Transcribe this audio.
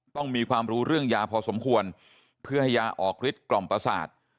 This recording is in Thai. ต้องมีความรู้เรื่องยาพอสมควรเพื่อให้ยาออกฤทธกล่อมประสาท